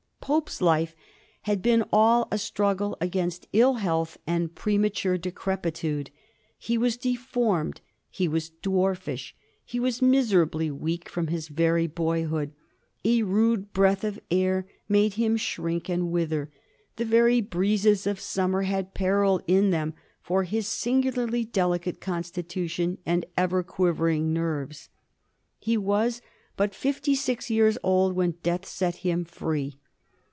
Pope's life had been all a struggle against ill health and premature decrepitude. He was deformed; he was dwarfish; he was miserably weak from his very boyhood ; a rude breath of air made him shrink and wither ; the very breezes of summer had peril in them for his singularly delicate constitution and ever quivering nerves. He was but fifty six years old when death set him free.